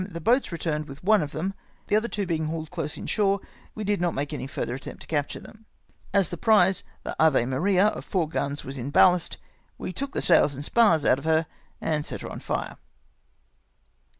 the boats returned with one of them ; the other two being hauled close in shore, we did not make any further attempt to capture them. As the prize, the Ave Maria, of four guns, was in ballast, we took the sails and spars out of her, and set her on fire.